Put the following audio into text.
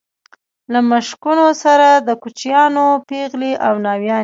له مشکونو سره د کوچیانو پېغلې او ناويانې.